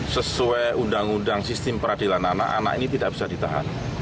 sesuai undang undang sistem peradilan anak anak ini tidak bisa ditahan